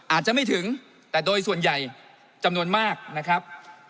อาจจะไม่ถึงแต่โดยส่วนใหญ่จำนวนมากนะครับ